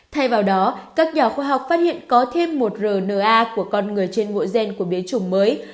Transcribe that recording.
thay vào đó các nhà khoa học phát hiện có thêm một rna của con người trên mỗi gen của biến chủng mới